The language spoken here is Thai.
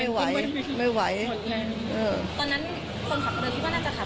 พูดสิทธิ์ข่าวธรรมดาทีวีรายงานสดจากโรงพยาบาลพระนครศรีอยุธยาครับ